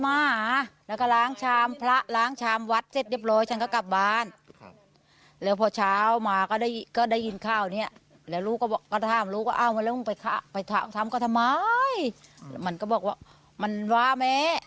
มันก็บอกว่ามันว่าแม่